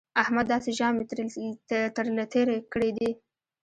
احمد داسې ژامې تر له تېرې کړې دي